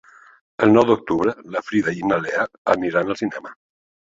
El nou d'octubre na Frida i na Lea aniran al cinema.